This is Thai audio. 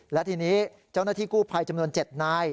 และทีนี้เจ้าหน้าที่กู้ภัยจำนวน๗นาย